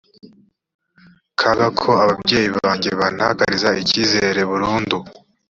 kaga ko ababyeyi banjye bantakariza icyizere burundu